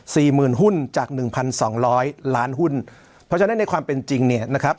สี่หมื่นหุ้นจากหนึ่งพันสองร้อยล้านหุ้นเพราะฉะนั้นในความเป็นจริงเนี่ยนะครับ